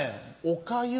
おかゆ。